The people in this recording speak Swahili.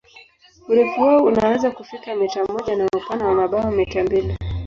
Urefu wao unaweza kufika mita moja na upana wa mabawa mita mbili.